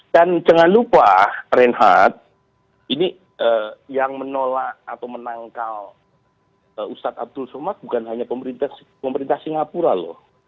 dan jangan lupa reinhardt ini yang menolak atau menangkal ustadz abdul somad bukan hanya pemerintah singapura loh